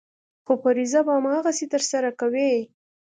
خو فریضه به هماغسې ترسره کوې.